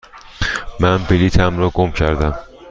من بلیطم را گم کردم.